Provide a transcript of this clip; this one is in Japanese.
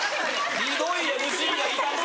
ひどいＭＣがいたもんだ。